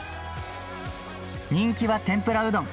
人気は天ぷらうどん。